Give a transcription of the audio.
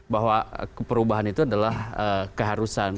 bahwa perubahan itu adalah keharusan